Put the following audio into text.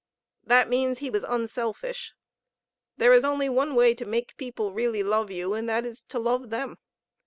That means he was unselfish. There is only one way to make people really love you, and that is to love them.